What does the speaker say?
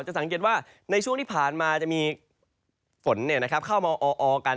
สังเกตว่าในช่วงที่ผ่านมาจะมีฝนเข้ามาออกัน